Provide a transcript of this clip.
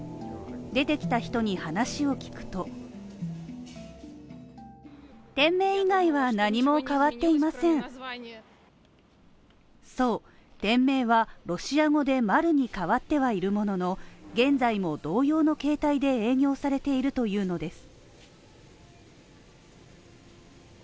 出てきた人に話を聞くとそう、店名はロシア語で「マル」に変わってはいるものの現在も同様の形態で営業されているというのです。